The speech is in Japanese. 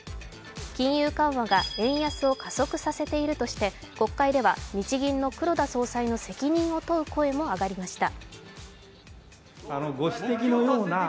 金融緩和が円安を加速させているとして、国会では日銀の黒田総裁の責任を問う声も上がりました。